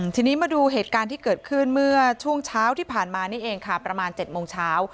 ทีนี้มาดูเหตุการณ์ที่เกิดขึ้นเมื่อช่วงเช้าที่ผ่านมานี่เองค่ะประมาณ๗โมงเช้า